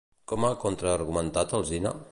Com ha contraargumentat Alsina?